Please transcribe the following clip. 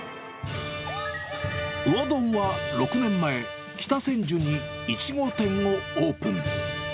魚丼は６年前、北千住に１号店をオープン。